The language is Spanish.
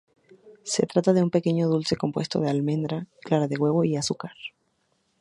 Se trata de un pequeño dulce compuesto de almendra, clara de huevo y azúcar.